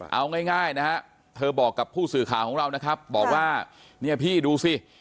เอาง่ายนะฮะเธอบอกกับผู้สื่อข่าวของเรานะครับบอกว่าเนี่ยพี่ดูสิ